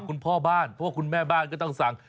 คุณพ่อบ้านเพราะว่าคุณแม่บ้านก็ต้องสั่ง